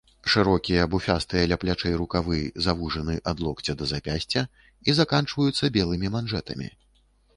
Шырокія буфястыя ля плячэй рукавы завужаны ад локця да запясця і заканчваюцца белымі манжэтамі.